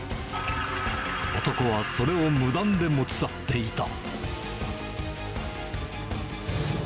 男はそれを無断で持ち去っていた。